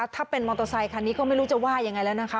ถ้าเป็นมอเตอร์ไซคันนี้ก็ไม่รู้จะว่ายังไงแล้วนะคะ